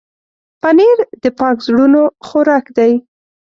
پنېر د پاک زړونو خوراک دی.